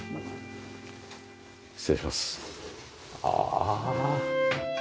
ああ。